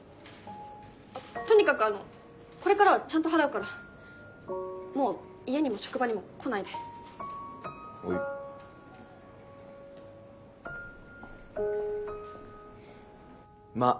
とにかくあのこれからはちゃんもう家にも職場にも来ないではいまっ